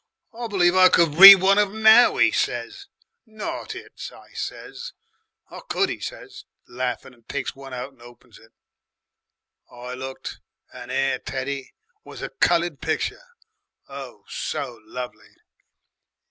'I believe I could read one of 'em NOW,' 'e says. "'Not it,' I says. "'I could,' 'e says, laughing and takes one out and opens it. "I looked, and there, Teddy, was a cullud picture, oh, so lovely!